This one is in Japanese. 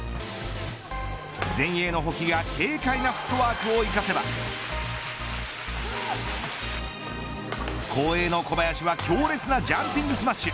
前衛の保木が軽快なフットワークを生かせば後衛の小林は強烈なジャンピングスマッシュ。